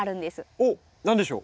おっ何でしょう？